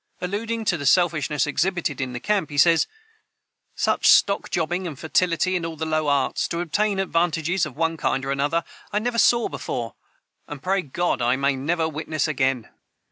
Alluding to the selfishness exhibited in camp, he says: "Such stock jobbing and fertility in all low arts, to obtain advantages of one kind and another, I never saw before, and pray God I may never witness again."